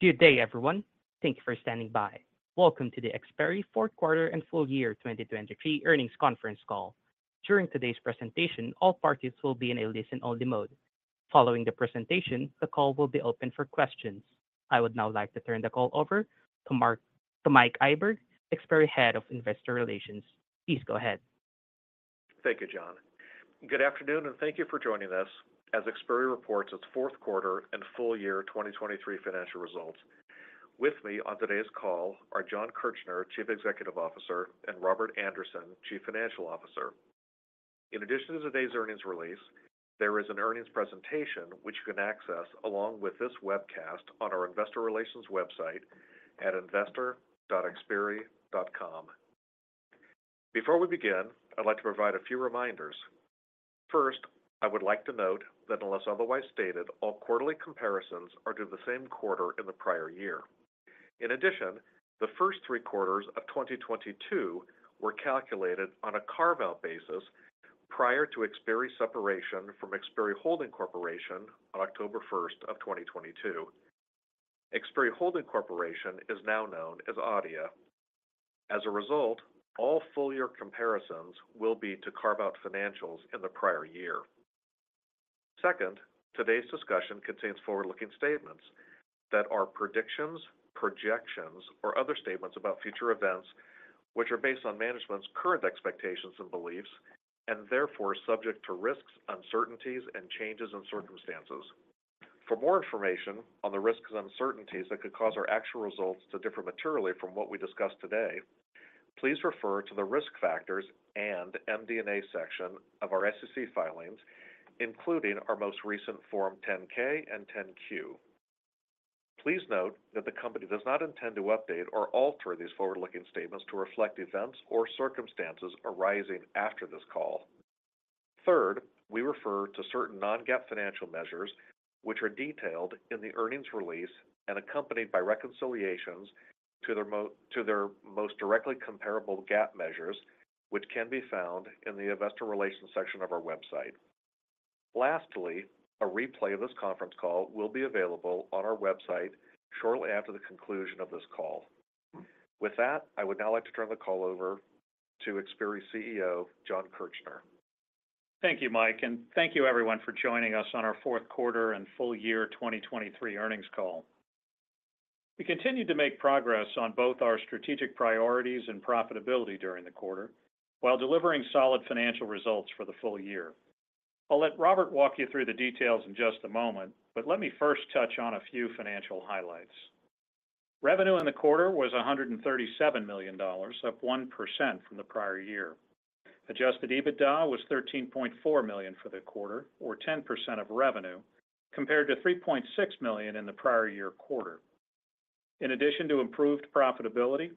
Good day, everyone. Thank you for standing by. Welcome to the Xperi 4th Quarter and Full Year 2023 Earnings Conference Call. During today's presentation, all parties will be in a listen-only mode. Following the presentation, the call will be open for questions. I would now like to turn the call over to Mike Iburg, Xperi Head of Investor Relations. Please go ahead. Thank you, John. Good afternoon, and thank you for joining us as Xperi reports its 4th Quarter and Full Year 2023 financial results. With me on today's call are Jon Kirchner, Chief Executive Officer, and Robert Andersen, Chief Financial Officer. In addition to today's earnings release, there is an earnings presentation which you can access along with this webcast on our Investor Relations website at investor.xperi.com. Before we begin, I'd like to provide a few reminders. First, I would like to note that unless otherwise stated, all quarterly comparisons are to the same quarter in the prior year. In addition, the first three quarters of 2022 were calculated on a carve-out basis prior to Xperi separation from Xperi Holding Corporation on October 1, 2022. Xperi Holding Corporation is now known as Adeia. As a result, all full-year comparisons will be to carve-out financials in the prior year. Second, today's discussion contains forward-looking statements that are predictions, projections, or other statements about future events which are based on management's current expectations and beliefs, and therefore subject to risks, uncertainties, and changes in circumstances. For more information on the risks and uncertainties that could cause our actual results to differ materially from what we discussed today, please refer to the Risk Factors and MD&A section of our SEC filings, including our most recent Form 10-K and 10-Q. Please note that the company does not intend to update or alter these forward-looking statements to reflect events or circumstances arising after this call. Third, we refer to certain non-GAAP financial measures which are detailed in the earnings release and accompanied by reconciliations to their most directly comparable GAAP measures, which can be found in the Investor Relations section of our website. Lastly, a replay of this conference call will be available on our website shortly after the conclusion of this call. With that, I would now like to turn the call over to Xperi CEO Jon Kirchner. Thank you, Mike, and thank you, everyone, for joining us on our 4th Quarter and Full Year 2023 Earnings Call. We continue to make progress on both our strategic priorities and profitability during the quarter while delivering solid financial results for the full year. I'll let Robert walk you through the details in just a moment, but let me first touch on a few financial highlights. Revenue in the quarter was $137 million, up 1% from the prior year. Adjusted EBITDA was $13.4 million for the quarter, or 10% of revenue, compared to $3.6 million in the prior year quarter. In addition to improved profitability,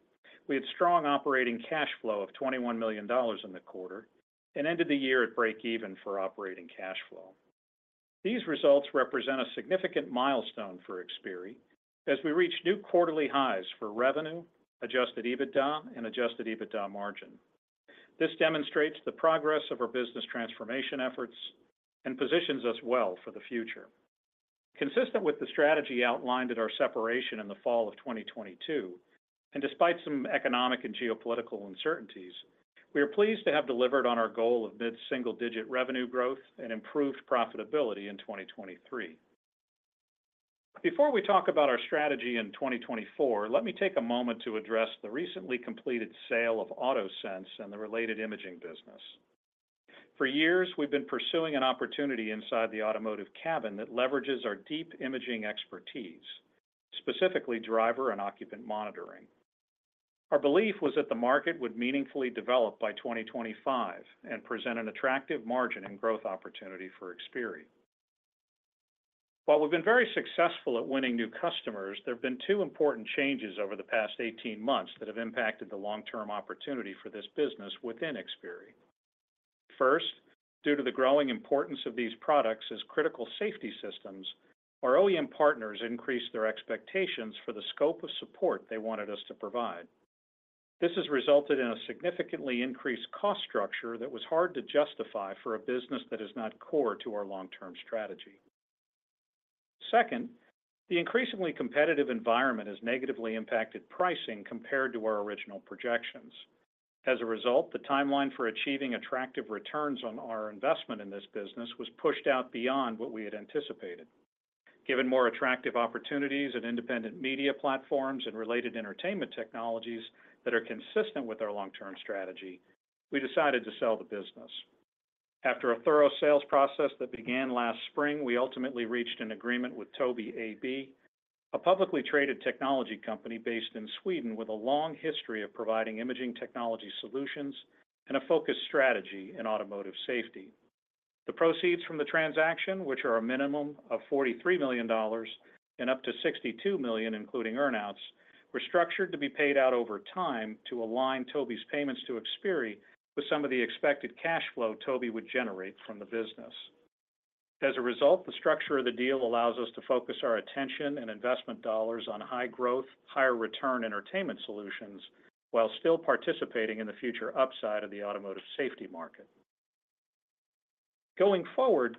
we had strong operating cash flow of $21 million in the quarter and ended the year at break-even for operating cash flow. These results represent a significant milestone for Xperi as we reach new quarterly highs for revenue, adjusted EBITDA, and adjusted EBITDA margin. This demonstrates the progress of our business transformation efforts and positions us well for the future. Consistent with the strategy outlined at our separation in the fall of 2022, and despite some economic and geopolitical uncertainties, we are pleased to have delivered on our goal of mid-single-digit revenue growth and improved profitability in 2023. Before we talk about our strategy in 2024, let me take a moment to address the recently completed sale of AutoSense and the related imaging business. For years, we've been pursuing an opportunity inside the automotive cabin that leverages our deep imaging expertise, specifically driver and occupant monitoring. Our belief was that the market would meaningfully develop by 2025 and present an attractive margin and growth opportunity for Xperi. While we've been very successful at winning new customers, there have been two important changes over the past 18 months that have impacted the long-term opportunity for this business within Xperi. First, due to the growing importance of these products as critical safety systems, our OEM partners increased their expectations for the scope of support they wanted us to provide. This has resulted in a significantly increased cost structure that was hard to justify for a business that is not core to our long-term strategy. Second, the increasingly competitive environment has negatively impacted pricing compared to our original projections. As a result, the timeline for achieving attractive returns on our investment in this business was pushed out beyond what we had anticipated. Given more attractive opportunities and independent media platforms and related entertainment technologies that are consistent with our long-term strategy, we decided to sell the business. After a thorough sales process that began last spring, we ultimately reached an agreement with Tobii AB, a publicly traded technology company based in Sweden with a long history of providing imaging technology solutions and a focused strategy in automotive safety. The proceeds from the transaction, which are a minimum of $43 million and up to $62 million including earnouts, were structured to be paid out over time to align Tobii's payments to Xperi with some of the expected cash flow Tobii would generate from the business. As a result, the structure of the deal allows us to focus our attention and investment dollars on high-growth, higher-return entertainment solutions while still participating in the future upside of the automotive safety market. Going forward,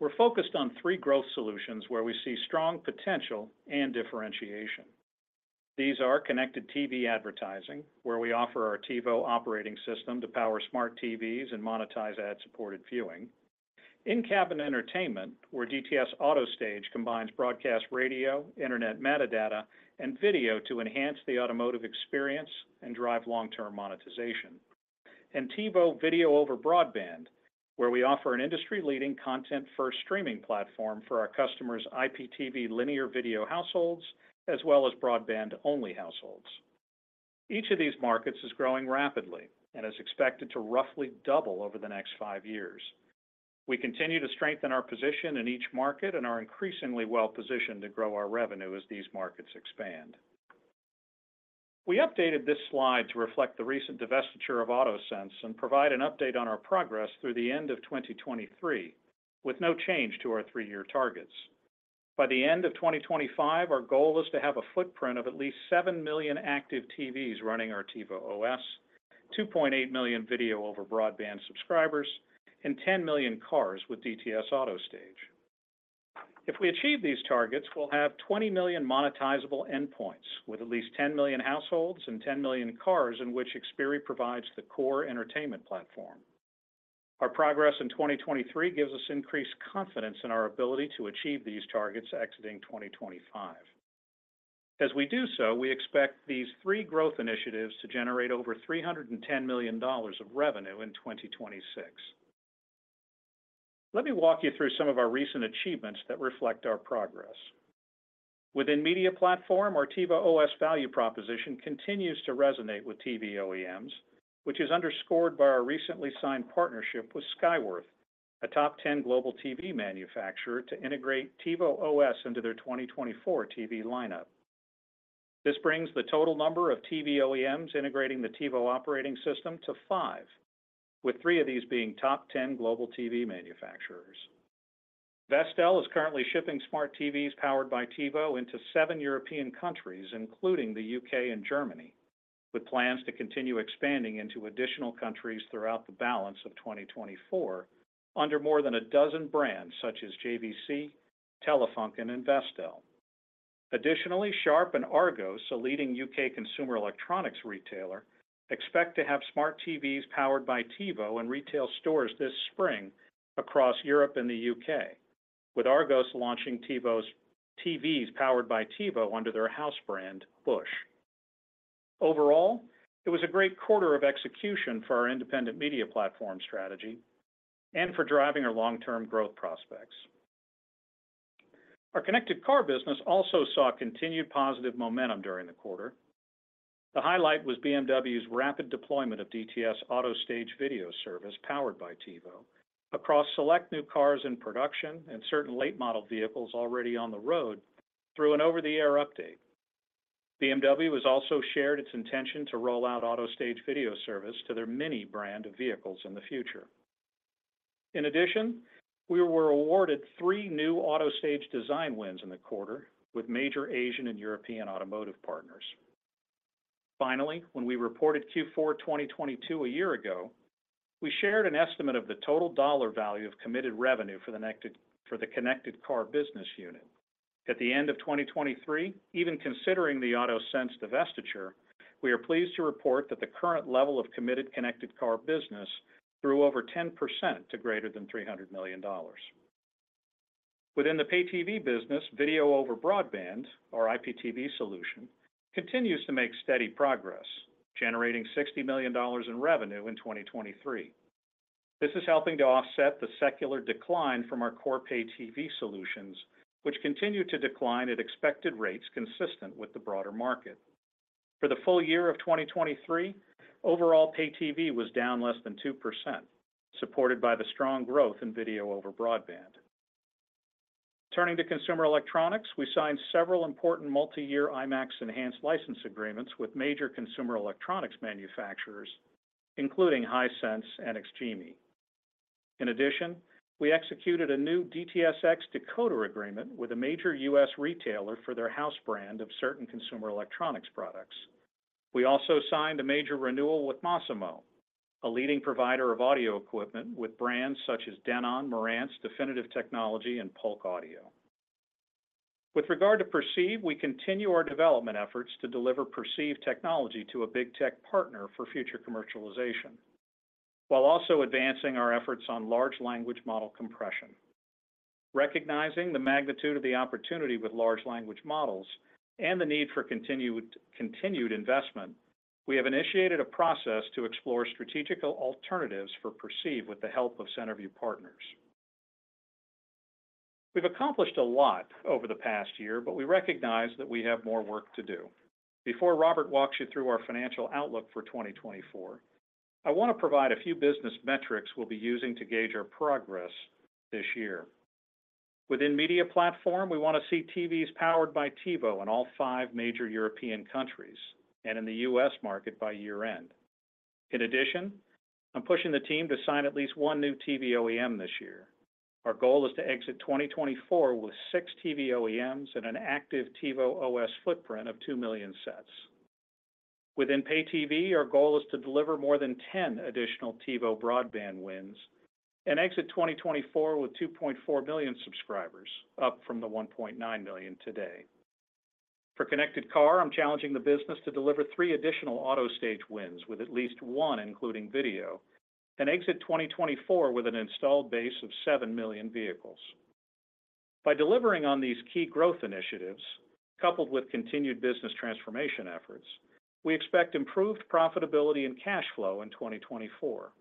we're focused on three growth solutions where we see strong potential and differentiation. These are connected TV advertising, where we offer our TiVo operating system to power smart TVs and monetize ad-supported viewing, in-cabin entertainment, where DTS AutoStage combines broadcast radio, internet metadata, and video to enhance the automotive experience and drive long-term monetization, and TiVo video over broadband, where we offer an industry-leading content-first streaming platform for our customers' IPTV linear video households as well as broadband-only households. Each of these markets is growing rapidly and is expected to roughly double over the next five years. We continue to strengthen our position in each market and are increasingly well-positioned to grow our revenue as these markets expand. We updated this slide to reflect the recent divestiture of AutoSense and provide an update on our progress through the end of 2023 with no change to our three-year targets. By the end of 2025, our goal is to have a footprint of at least 7 million active TVs running our TiVo OS, 2.8 million video over broadband subscribers, and 10 million cars with DTS AutoStage. If we achieve these targets, we'll have 20 million monetizable endpoints with at least 10 million households and 10 million cars in which Xperi provides the core entertainment platform. Our progress in 2023 gives us increased confidence in our ability to achieve these targets exiting 2025. As we do so, we expect these three growth initiatives to generate over $310 million of revenue in 2026. Let me walk you through some of our recent achievements that reflect our progress. Within media platform, our TiVo OS value proposition continues to resonate with TV OEMs, which is underscored by our recently signed partnership with Skyworth, a top 10 global TV manufacturer, to integrate TiVo OS into their 2024 TV lineup. This brings the total number of TV OEMs integrating the TiVo operating system to five, with three of these being top 10 global TV manufacturers. Vestel is currently shipping smart TVs powered by TiVo into seven European countries, including the U.K. and Germany, with plans to continue expanding into additional countries throughout the balance of 2024 under more than a dozen brands such as JVC, Telefunken, and Vestel. Additionally, Sharp and Argos, a leading U.K. consumer electronics retailer, expect to have smart TVs powered by TiVo in retail stores this spring across Europe and the U.K., with Argos launching TiVo's TVs powered by TiVo under their house brand, Bush. Overall, it was a great quarter of execution for our independent media platform strategy and for driving our long-term growth prospects. Our connected car business also saw continued positive momentum during the quarter. The highlight was BMW's rapid deployment of DTS AutoStage video service powered by TiVo across select new cars in production and certain late-model vehicles already on the road through an over-the-air update. BMW has also shared its intention to roll out AutoStage video service to their MINI brand of vehicles in the future. In addition, we were awarded 3 new AutoStage design wins in the quarter with major Asian and European automotive partners. Finally, when we reported Q4 2022 a year ago, we shared an estimate of the total dollar value of committed revenue for the connected car business unit. At the end of 2023, even considering the AutoSense divestiture, we are pleased to report that the current level of committed connected car business grew over 10% to greater than $300 million. Within the pay-TV business, video over broadband, our IPTV solution, continues to make steady progress, generating $60 million in revenue in 2023. This is helping to offset the secular decline from our core pay-TV solutions, which continue to decline at expected rates consistent with the broader market. For the full year of 2023, overall pay-TV was down less than 2%, supported by the strong growth in video over broadband. Turning to consumer electronics, we signed several important multi-year IMAX Enhanced license agreements with major consumer electronics manufacturers, including Hisense and XGIMI. In addition, we executed a new DTS:X decoder agreement with a major U.S. retailer for their house brand of certain consumer electronics products. We also signed a major renewal with Masimo, a leading provider of audio equipment with brands such as Denon, Marantz, Definitive Technology, and Polk Audio. With regard to Perceive, we continue our development efforts to deliver Perceive technology to a big tech partner for future commercialization, while also advancing our efforts on large language model compression. Recognizing the magnitude of the opportunity with large language models and the need for continued investment, we have initiated a process to explore strategic alternatives for Perceive with the help of Centerview Partners. We've accomplished a lot over the past year, but we recognize that we have more work to do. Before Robert walks you through our financial outlook for 2024, I want to provide a few business metrics we'll be using to gauge our progress this year. Within media platform, we want to see TVs powered by TiVo in all 5 major European countries and in the U.S. market by year-end. In addition, I'm pushing the team to sign at least 1 new TV OEM this year. Our goal is to exit 2024 with 6 TV OEMs and an active TiVo OS footprint of 2 million sets. Within pay-TV, our goal is to deliver more than 10 additional TiVo Broadband wins and exit 2024 with 2.4 million subscribers, up from the 1.9 million today. For connected car, I'm challenging the business to deliver 3 additional AutoStage wins with at least 1, including video, and exit 2024 with an installed base of 7 million vehicles. By delivering on these key growth initiatives, coupled with continued business transformation efforts, we expect improved profitability and cash flow in 2024.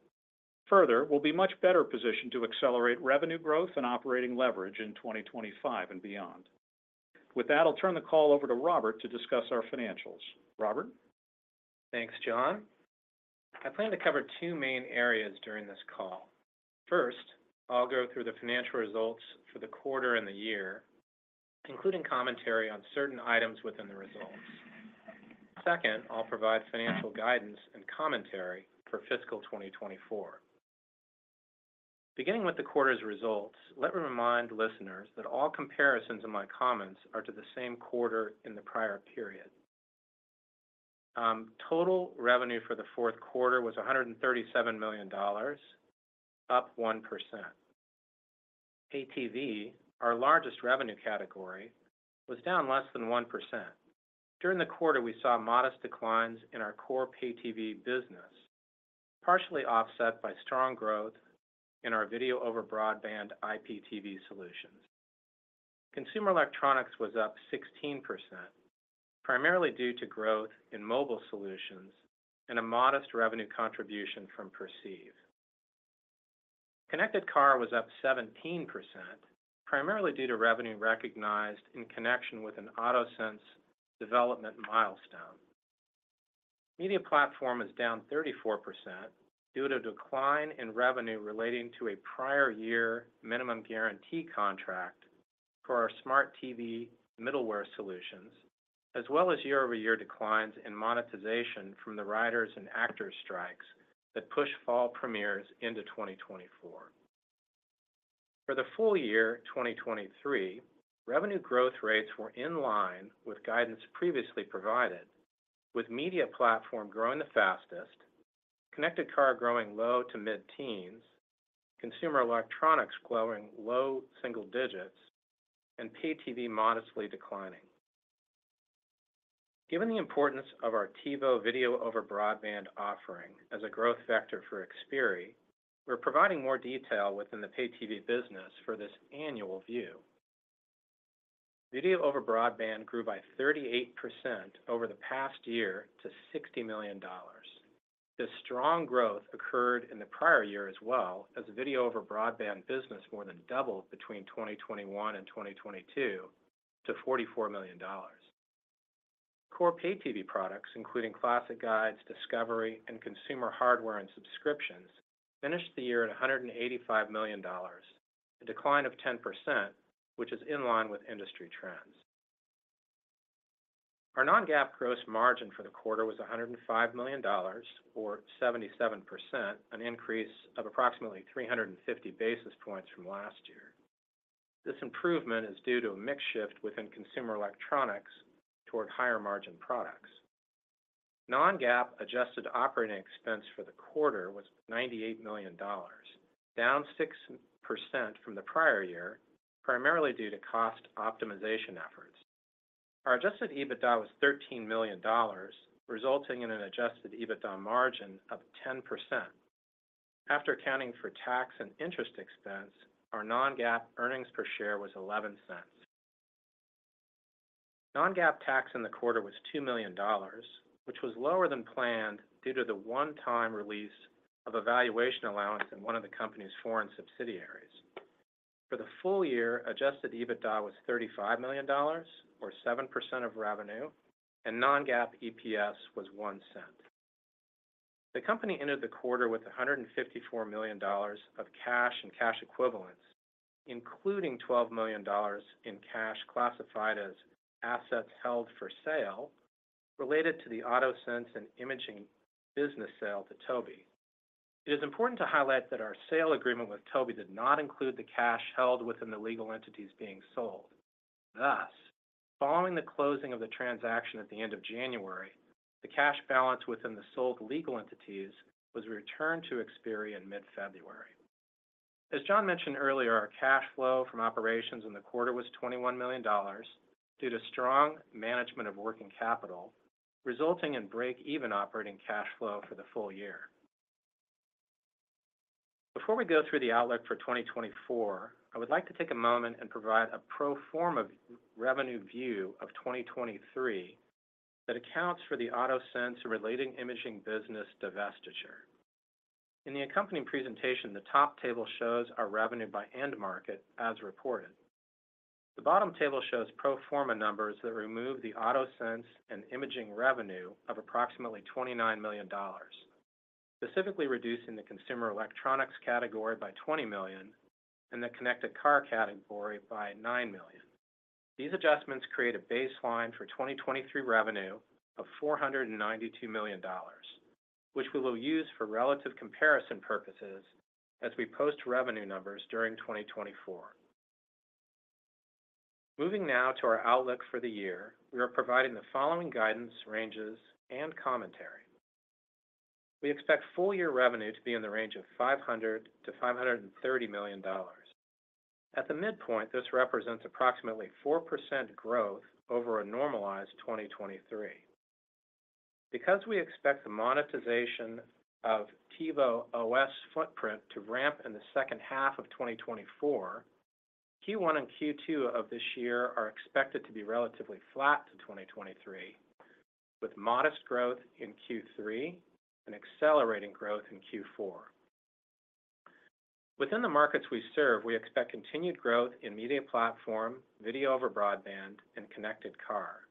Further, we'll be much better positioned to accelerate revenue growth and operating leverage in 2025 and beyond. With that, I'll turn the call over to Robert to discuss our financials. Robert? Thanks, Jon. I plan to cover two main areas during this call. First, I'll go through the financial results for the quarter and the year, including commentary on certain items within the results. Second, I'll provide financial guidance and commentary for fiscal 2024. Beginning with the quarter's results, let me remind listeners that all comparisons in my comments are to the same quarter in the prior period. Total revenue for the fourth quarter was $137 million, up 1%. Pay-TV, our largest revenue category, was down less than 1%. During the quarter, we saw modest declines in our core pay-TV business, partially offset by strong growth in our video over broadband IPTV solutions. Consumer electronics was up 16%, primarily due to growth in mobile solutions and a modest revenue contribution from Perceive. Connected car was up 17%, primarily due to revenue recognized in connection with an AutoSense development milestone. Media platform is down 34% due to a decline in revenue relating to a prior-year minimum guarantee contract for our smart TV middleware solutions, as well as year-over-year declines in monetization from the writers' and actors' strikes that push fall premieres into 2024. For the full year 2023, revenue growth rates were in line with guidance previously provided, with media platform growing the fastest, connected car growing low to mid-teens, connected car growing low to mid-teens, consumer electronics growing low single digits, and pay-TV modestly declining. Given the importance of our TiVo video over broadband offering as a growth vector for Xperi, we're providing more detail within the pay-TV business for this annual view. Video over broadband grew by 38% over the past year to $60 million. This strong growth occurred in the prior year as well, as video over broadband business more than doubled between 2021 and 2022 to $44 million. Core pay-TV products, including classic guides, discovery, and consumer hardware and subscriptions, finished the year at $185 million, a decline of 10%, which is in line with industry trends. Our Non-GAAP gross margin for the quarter was $105 million, or 77%, an increase of approximately 350 basis points from last year. This improvement is due to a mixed shift within consumer electronics toward higher-margin products. Non-GAAP adjusted operating expense for the quarter was $98 million, down 6% from the prior year, primarily due to cost optimization efforts. Our Adjusted EBITDA was $13 million, resulting in an Adjusted EBITDA margin of 10%. After accounting for tax and interest expense, our non-GAAP earnings per share was $0.11. Non-GAAP tax in the quarter was $2 million, which was lower than planned due to the one-time release of evaluation allowance in one of the company's foreign subsidiaries. For the full year, Adjusted EBITDA was $35 million, or 7% of revenue, and non-GAAP EPS was $0.01. The company entered the quarter with $154 million of cash and cash equivalents, including $12 million in cash classified as assets held for sale related to the AutoSense and imaging business sale to Tobii. It is important to highlight that our sale agreement with Tobii did not include the cash held within the legal entities being sold. Thus, following the closing of the transaction at the end of January, the cash balance within the sold legal entities was returned to Xperi in mid-February. As John mentioned earlier, our cash flow from operations in the quarter was $21 million due to strong management of working capital, resulting in break-even operating cash flow for the full year. Before we go through the outlook for 2024, I would like to take a moment and provide a pro forma revenue view of 2023 that accounts for the AutoSense-related imaging business divestiture. In the accompanying presentation, the top table shows our revenue by end market as reported. The bottom table shows pro forma numbers that remove the AutoSense and imaging revenue of approximately $29 million, specifically reducing the consumer electronics category by $20 million and the connected car category by $9 million. These adjustments create a baseline for 2023 revenue of $492 million, which we will use for relative comparison purposes as we post revenue numbers during 2024. Moving now to our outlook for the year, we are providing the following guidance, ranges, and commentary. We expect full-year revenue to be in the range of $500-$530 million. At the midpoint, this represents approximately 4% growth over a normalized 2023. Because we expect the monetization of TiVo OS footprint to ramp in the second half of 2024, Q1 and Q2 of this year are expected to be relatively flat to 2023, with modest growth in Q3 and accelerating growth in Q4. Within the markets we serve, we expect continued growth in media platform, video over broadband, and connected car.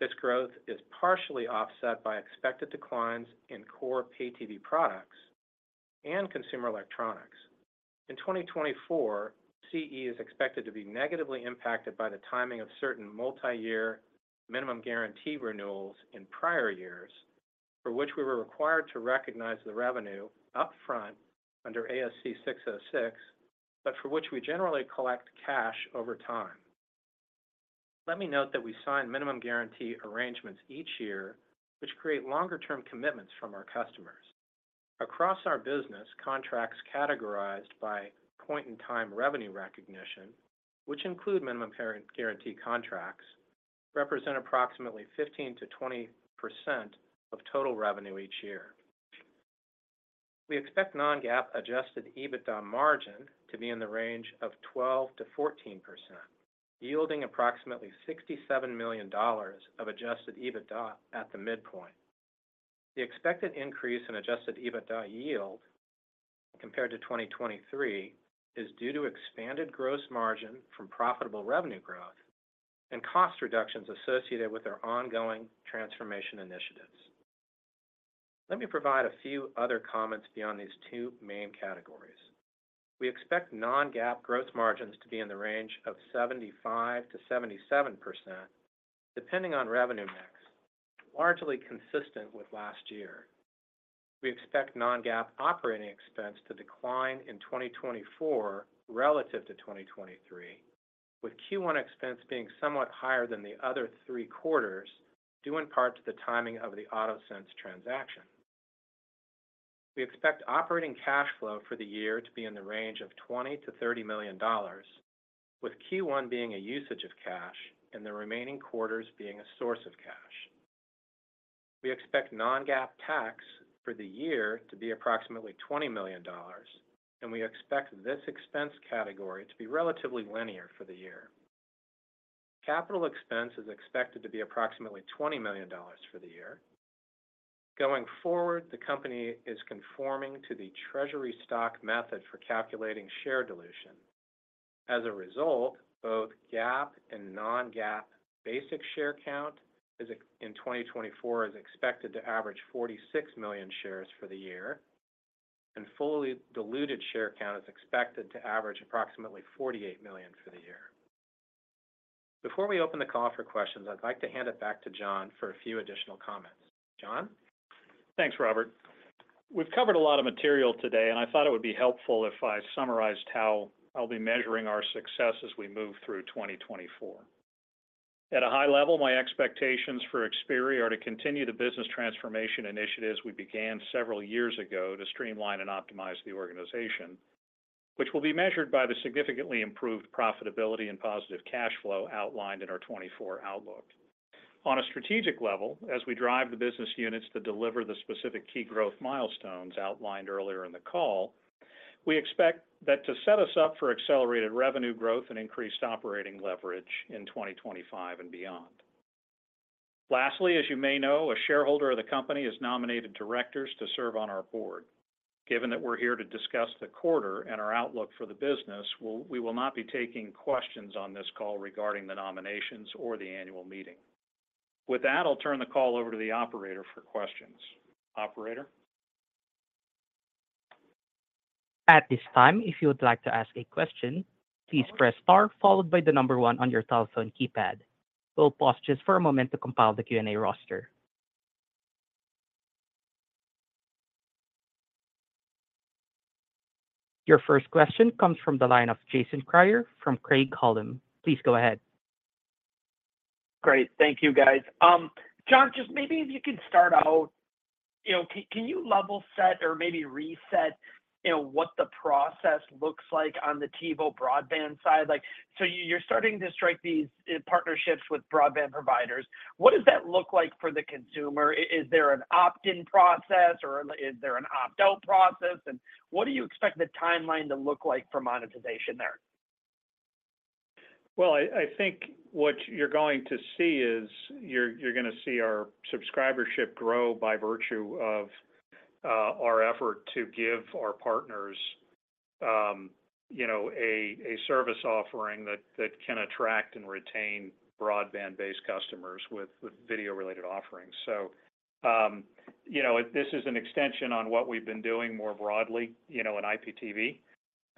This growth is partially offset by expected declines in core pay-TV products and consumer electronics. In 2024, CE is expected to be negatively impacted by the timing of certain multi-year minimum guarantee renewals in prior years, for which we were required to recognize the revenue upfront under ASC 606, but for which we generally collect cash over time. Let me note that we sign minimum guarantee arrangements each year, which create longer-term commitments from our customers. Across our business, contracts categorized by point-in-time revenue recognition, which include minimum guarantee contracts, represent approximately 15%-20% of total revenue each year. We expect non-GAAP Adjusted EBITDA margin to be in the range of 12%-14%, yielding approximately $67 million of Adjusted EBITDA at the midpoint. The expected increase in Adjusted EBITDA yield compared to 2023 is due to expanded gross margin from profitable revenue growth and cost reductions associated with our ongoing transformation initiatives. Let me provide a few other comments beyond these two main categories. We expect non-GAAP gross margins to be in the range of 75%-77%, depending on revenue mix, largely consistent with last year. We expect non-GAAP operating expense to decline in 2024 relative to 2023, with Q1 expense being somewhat higher than the other three quarters, due in part to the timing of the AutoSense transaction. We expect operating cash flow for the year to be in the range of $20-$30 million, with Q1 being a usage of cash and the remaining quarters being a source of cash. We expect non-GAAP tax for the year to be approximately $20 million, and we expect this expense category to be relatively linear for the year. Capital expense is expected to be approximately $20 million for the year. Going forward, the company is conforming to the Treasury Stock Method for calculating share dilution. As a result, both GAAP and non-GAAP basic share count in 2024 is expected to average 46 million shares for the year, and fully diluted share count is expected to average approximately 48 million for the year. Before we open the call for questions, I'd like to hand it back to Jon for a few additional comments. Jon? Thanks, Robert. We've covered a lot of material today, and I thought it would be helpful if I summarized how I'll be measuring our success as we move through 2024. At a high level, my expectations for Xperi are to continue the business transformation initiatives we began several years ago to streamline and optimize the organization, which will be measured by the significantly improved profitability and positive cash flow outlined in our 2024 outlook. On a strategic level, as we drive the business units to deliver the specific key growth milestones outlined earlier in the call, we expect that to set us up for accelerated revenue growth and increased operating leverage in 2025 and beyond. Lastly, as you may know, a shareholder of the company has nominated directors to serve on our board. Given that we're here to discuss the quarter and our outlook for the business, we will not be taking questions on this call regarding the nominations or the annual meeting. With that, I'll turn the call over to the operator for questions. Operator? At this time, if you would like to ask a question, please press Start followed by the number 1 on your telephone keypad. We'll pause just for a moment to compile the Q&A roster. Your first question comes from the line of Jason Kreyer from Craig-Hallum.Please go ahead. Great. Thank you, guys. Jon, just maybe if you could start out, can you level set or maybe reset what the process looks like on the TiVo broadband side? So you're starting to strike these partnerships with broadband providers. What does that look like for the consumer? Is there an opt-in process, or is there an opt-out process? And what do you expect the timeline to look like for monetization there? Well, I think what you're going to see is you're going to see our subscribership grow by virtue of our effort to give our partners a service offering that can attract and retain broadband-based customers with video-related offerings. So this is an extension on what we've been doing more broadly in IPTV,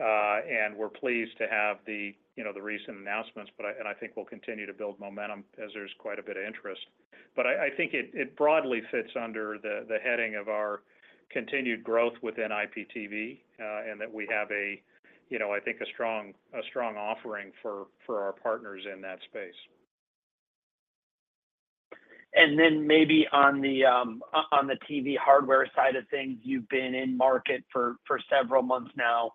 and we're pleased to have the recent announcements, and I think we'll continue to build momentum as there's quite a bit of interest. But I think it broadly fits under the heading of our continued growth within IPTV and that we have, I think, a strong offering for our partners in that space. Then maybe on the TV hardware side of things, you've been in market for several months now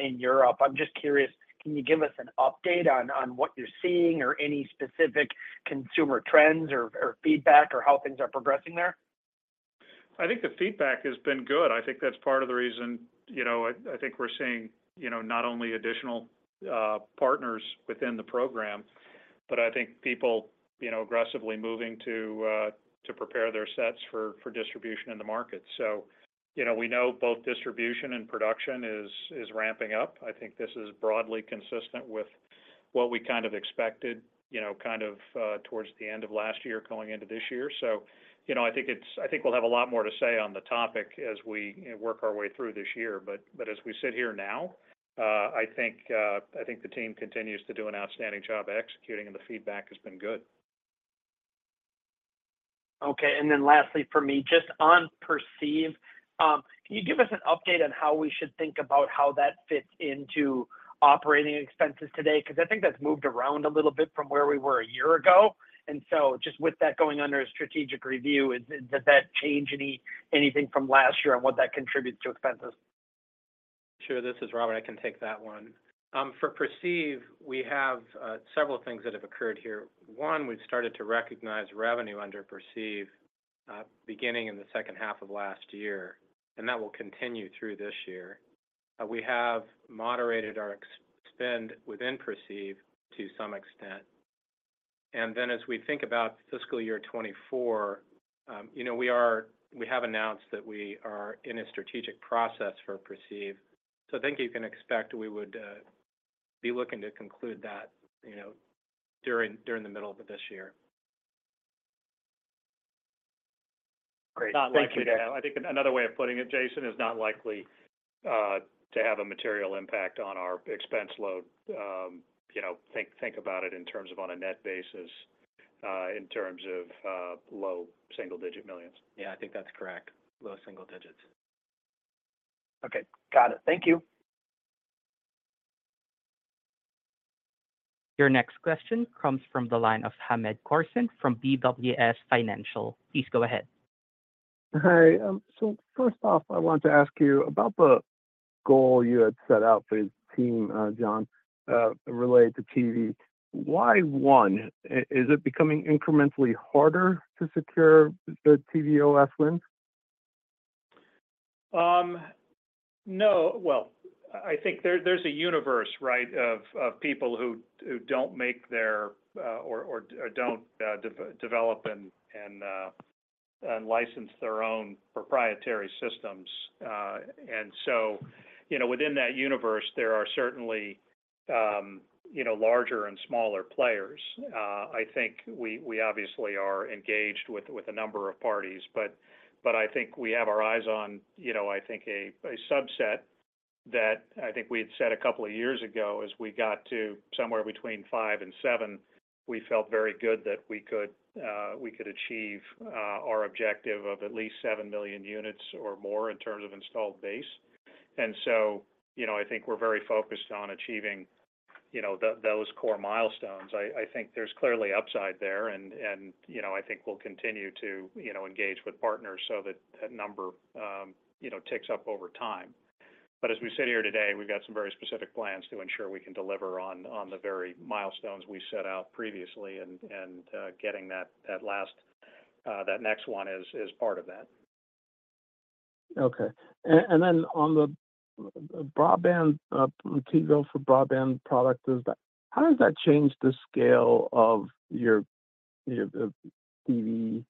in Europe. I'm just curious, can you give us an update on what you're seeing or any specific consumer trends or feedback or how things are progressing there? I think the feedback has been good. I think that's part of the reason I think we're seeing not only additional partners within the program, but I think people aggressively moving to prepare their sets for distribution in the market. So we know both distribution and production is ramping up. I think this is broadly consistent with what we kind of expected kind of towards the end of last year going into this year. So I think we'll have a lot more to say on the topic as we work our way through this year. But as we sit here now, I think the team continues to do an outstanding job executing, and the feedback has been good. Okay. And then lastly for me, just on Perceive, can you give us an update on how we should think about how that fits into operating expenses today? Because I think that's moved around a little bit from where we were a year ago. And so just with that going under a strategic review, does that change anything from last year on what that contributes to expenses? Sure. This is Robert. I can take that one. For Perceive, we have several things that have occurred here. One, we've started to recognize revenue under Perceive beginning in the second half of last year, and that will continue through this year. We have moderated our spend within Perceive to some extent. Then as we think about fiscal year 2024, we have announced that we are in a strategic process for Perceive. So I think you can expect we would be looking to conclude that during the middle of this year. Great. Thank you. I think another way of putting it, Jason, is not likely to have a material impact on our expense load. Think about it in terms of on a net basis, in terms of low single-digit $ millions. Yeah. I think that's correct. Low single digits. Okay. Got it. Thank you. Your next question comes from the line of Hamed Khorsand from BWS Financial. Please go ahead. Hi. So first off, I want to ask you about the goal you had set out for your team, John, related to TV. Why one? Is it becoming incrementally harder to secure the TV OS wins? No. Well, I think there's a universe, right, of people who don't make their or don't develop and license their own proprietary systems. And so within that universe, there are certainly larger and smaller players. I think we obviously are engaged with a number of parties, but I think we have our eyes on, I think, a subset that I think we had set a couple of years ago. As we got to somewhere between 5 and 7, we felt very good that we could achieve our objective of at least 7 million units or more in terms of installed base. And so I think we're very focused on achieving those core milestones. I think there's clearly upside there, and I think we'll continue to engage with partners so that that number ticks up over time. But as we sit here today, we've got some very specific plans to ensure we can deliver on the very milestones we set out previously, and getting that next one is part of that. Okay. And then on the TiVo for broadband products, how does that change the scale of your TV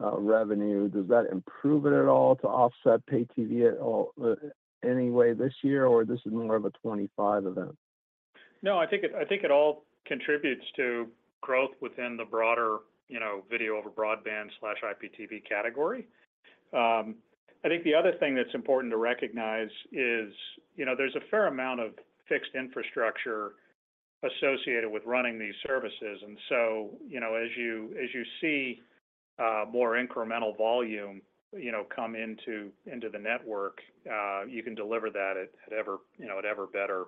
revenue? Does that improve it at all to offset pay-TV at any way this year, or this is more of a 2025 event? No. I think it all contributes to growth within the broader video over broadband/IPTV category. I think the other thing that's important to recognize is there's a fair amount of fixed infrastructure associated with running these services. And so as you see more incremental volume come into the network, you can deliver that at ever better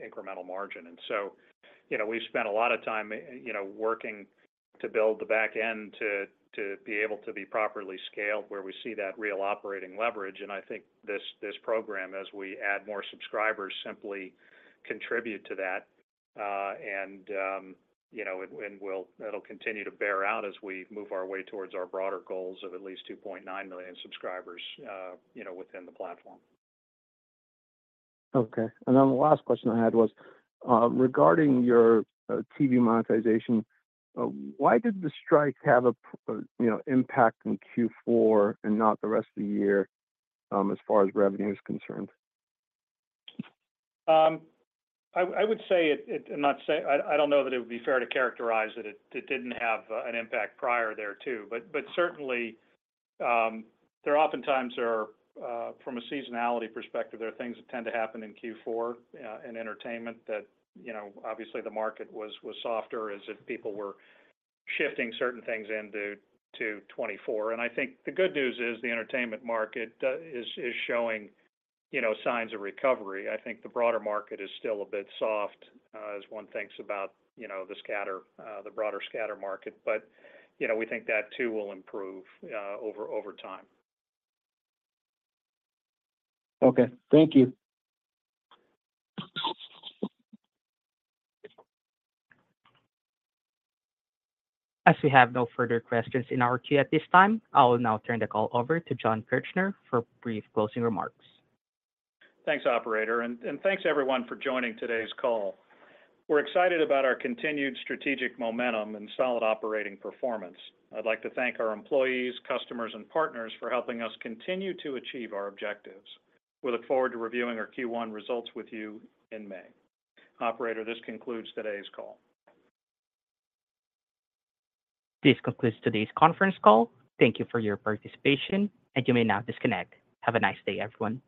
incremental margin. And so we've spent a lot of time working to build the back end to be able to be properly scaled where we see that real operating leverage. And I think this program, as we add more subscribers, simply contribute to that, and it'll continue to bear out as we move our way towards our broader goals of at least 2.9 million subscribers within the platform. Okay. And then the last question I had was regarding your TV monetization. Why did the strike have an impact in Q4 and not the rest of the year as far as revenue is concerned? I would say it. I don't know that it would be fair to characterize that it didn't have an impact prior there too. But certainly, there oftentimes are from a seasonality perspective, there are things that tend to happen in Q4 in entertainment that obviously, the market was softer as if people were shifting certain things into 2024. And I think the good news is the entertainment market is showing signs of recovery. I think the broader market is still a bit soft as one thinks about the broader scatter market. But we think that too will improve over time. Okay. Thank you. As we have no further questions in our queue at this time, I will now turn the call over to Jon Kirchner for brief closing remarks. Thanks, operator. And thanks, everyone, for joining today's call. We're excited about our continued strategic momentum and solid operating performance. I'd like to thank our employees, customers, and partners for helping us continue to achieve our objectives. We look forward to reviewing our Q1 results with you in May. Operator, this concludes today's call. This concludes today's conference call. Thank you for your participation, and you may now disconnect. Have a nice day, everyone.